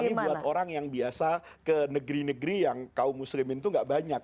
apalagi buat orang yang biasa ke negeri negeri yang kaum muslim itu tidak banyak